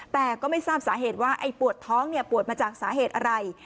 แต่ก็ไม่ทราบสาเหตุว่าไอ้ปวดท้องเนี่ยปวดมาจากสาเหตุอะไร